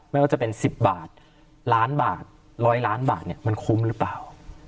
ไม่ว่าจะเป็น๑๐บาทล้านบาท๑๐๐ล้านบาทเนี่ยมันคุ้มหรือเปล่า